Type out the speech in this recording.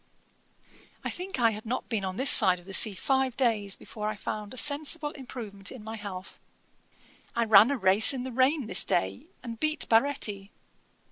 'I think I had not been on this side of the sea five days before I found a sensible improvement in my health. I ran a race in the rain this day, and beat Baretti.